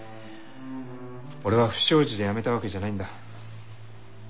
俺は不祥事で辞めたわけじゃないんだ。